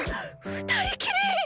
二人きり！